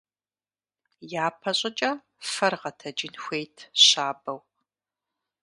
ЯпэщӀыкӀэ фэр гъэтэджын хуейт щабэу.